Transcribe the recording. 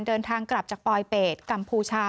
เดินทางกลับจากปลอยเป็ดกัมพูชา